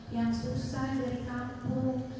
yang susah dari kampung